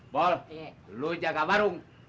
bol lu jaga warung